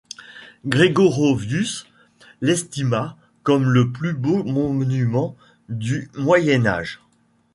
Gregorovius l'estima comme le plus beau monument du Moyen Âge.